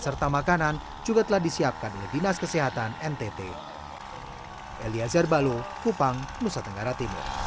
serta makanan juga telah disiapkan oleh dinas kesehatan ntt